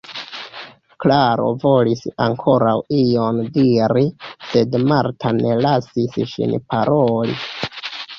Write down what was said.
Klaro volis ankoraŭ ion diri, sed Marta ne lasis ŝin paroli.